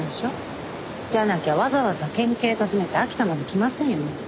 じゃなきゃわざわざ県警訪ねて秋田まで来ませんよね。